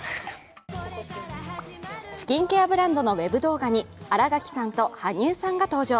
スキンケアブランドのウェブ動画に新垣さんと羽生さんが登場。